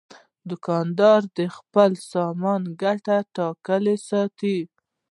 دوکاندار د خپل سامان ګټه ټاکلې ساتي.